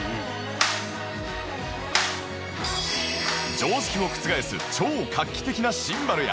常識を覆す超画期的なシンバルや